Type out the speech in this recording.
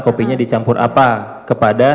kopinya dicampur apa kepada